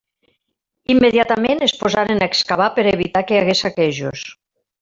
Immediatament es posaren a excavar per evitar que hi hagués saquejos.